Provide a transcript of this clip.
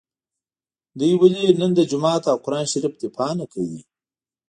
دوی ولي نن د جومات او قران شریف دفاع نکوي